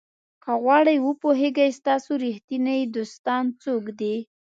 که غواړئ وپوهیږئ ستاسو ریښتیني دوستان څوک دي.